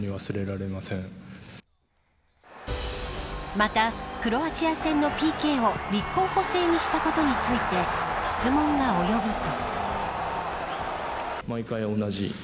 また、クロアチア戦のＰＫを立候補制にしたことについて質問が及ぶと。